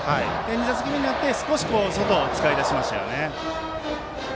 ２打席目になって少し外を使い出しましたね。